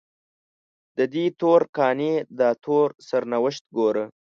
ددې تور قانع داتور سرنوشت ګوره